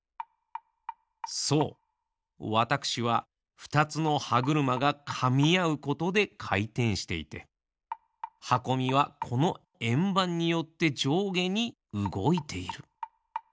そうわたくしはふたつのはぐるまがかみあうことでかいてんしていてはこみはこのえんばんによってじょうげにうごいている。